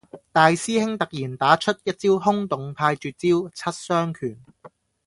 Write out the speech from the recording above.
大師兄突然打出一招崆峒派絕招，七傷拳